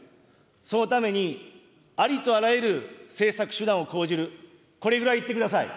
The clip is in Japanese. そのために、ありとあらゆる政策手段を講じる、これぐらい言ってください。